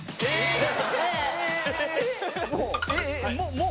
もう？